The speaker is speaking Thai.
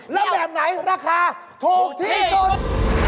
แล้วแบบไหนราคาถูกที่สุด